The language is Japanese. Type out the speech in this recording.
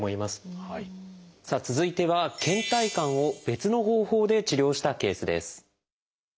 さあ続いてはけん怠感を別の方法で治療したケースです。